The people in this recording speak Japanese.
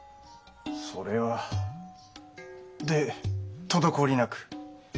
それは。で滞りなく？